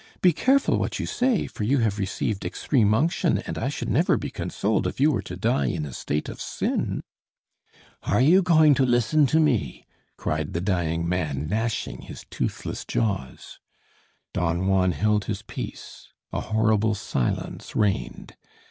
"Be careful what you say, for you have received extreme unction and I should never be consoled if you were to die in a state of sin." "Are you going to listen to me?" cried the dying man, gnashing his toothless jaws. Don Juan held his peace. A horrible silence reigned.